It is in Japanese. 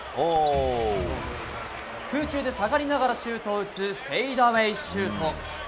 空中で下がりながらシュートを打つフェイダウェイシュート！